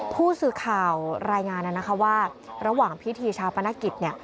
ผู้สื่อข่าวรายงานว่าระหว่างพิธีชาปนกิจ